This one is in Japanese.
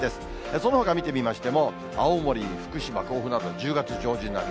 そのほか見てみましても、青森、福島、甲府など、１０月上旬並み。